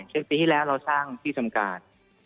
ปีที่แล้วเราสร้างที่ทำการ